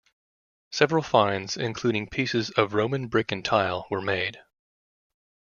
Several finds, including pieces of Roman brick and tile, were made.